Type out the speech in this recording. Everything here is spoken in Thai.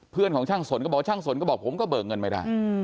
เพื่อนของช่างสนก็บอกว่าช่างสนก็บอกผมก็เบิกเงินไม่ได้